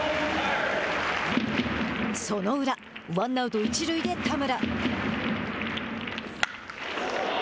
その裏ワンアウト、一塁で田村。